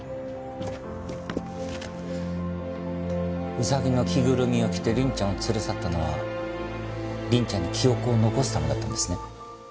ウサギの着ぐるみを着て凛ちゃんを連れ去ったのは凛ちゃんに記憶を残すためだったんですね。